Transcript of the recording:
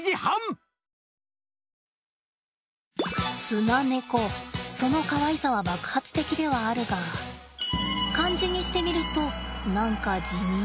スナネコそのかわいさは爆発的ではあるが漢字にしてみると何か地味。